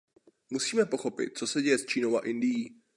Musíme pochopit, co se děje s Čínou a Indií.